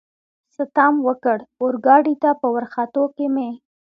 ستم وکړ، اورګاډي ته په ورختو کې مې.